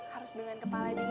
harus dengan kepala dingin